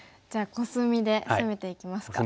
コスミで攻めてきます。